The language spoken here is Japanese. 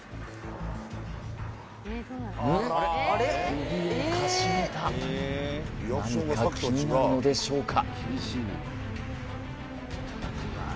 首をかしげた何か気になるのでしょうか